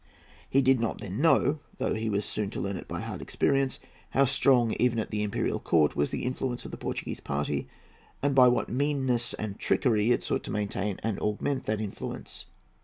He did not then know, though he was soon to learn it by hard experience, how strong, even at the imperial court, was the influence of the Portuguese party, and by what meanness and trickery it sought to maintain and augment that influence.